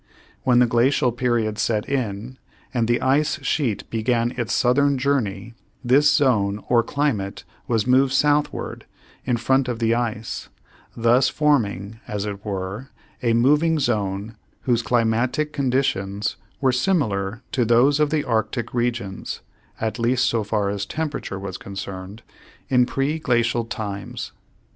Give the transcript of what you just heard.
When the glacial period set in and the ice sheet began its southern journey this zone or climate was moved southward in front of the ice, thus forming, as it were, a moving zone whose climatic conditions were similar to those of the arctic regions (at least so far as temperature was concerned) in preglacial times.